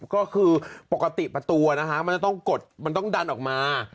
ก็คือปกติประตูนะคะมันจะต้องกดมันต้องดันออกมา